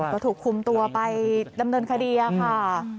ก็ถูกคุมตัวไปดำเนินคดีค่ะ